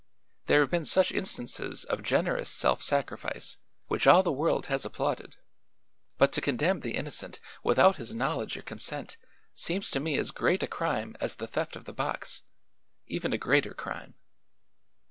There have been such instances of generous self sacrifice, which all the world has applauded; but to condemn the innocent without his knowledge or consent seems to me as great a crime as the theft of the box even a greater crime."